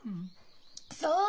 そう！